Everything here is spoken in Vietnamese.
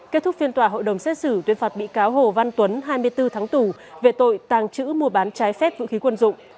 kết thúc phiên tòa hội đồng xét xử tuyên phạt bị cáo hồ văn tuấn hai mươi bốn tháng tù về tội tàng trữ mua bán trái phép vũ khí quân dụng